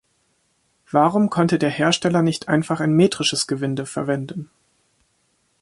Warum konnte der Hersteller nicht einfach ein metrisches Gewinde verwenden?